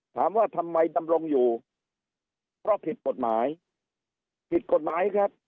ถามว่าทำไมดำรงอยู่เพราะผิดกฎหมายผิดกฎหมายครับ